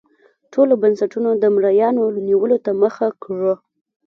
ټولو بنسټونو د مریانو نیولو ته مخه کړه.